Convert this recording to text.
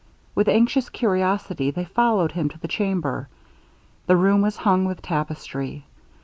With anxious curiosity they followed him to the chamber. The room was hung with tapestry.